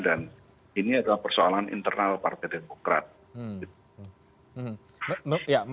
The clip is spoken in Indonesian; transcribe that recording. dan ini adalah persoalan internal partai demokrat